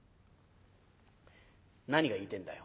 「何が言いてえんだよ」。